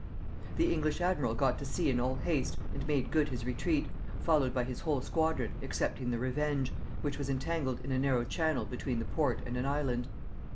The English admiral got to sea in all haste and made good his retreat, followed by his whole squadron excepting the Revenge, which was entangled in a narrow channel between the port and an island.